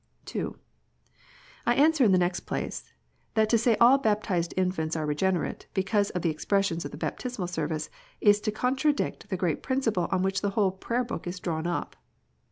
II. I answer, in the next place, that to say all baptized infants are regenerate, because of the expressions in the Baptismal Service, is to contradict the great principle on ivhich the whole Prayer book is drawn up.